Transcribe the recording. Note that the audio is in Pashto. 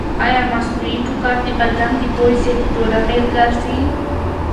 ایا مصنوعي ټوکر د بدن د بوی زیاتېدو لامل ګرځي؟